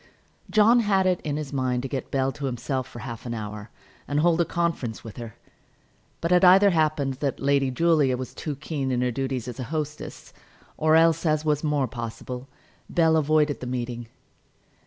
John had it in his mind to get Bell to himself for half an hour, and hold a conference with her; but it either happened that Lady Julia was too keen in her duties as a hostess, or else, as was more possible, Bell avoided the meeting.